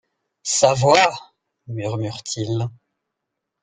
Sa voix !... murmure-t-il.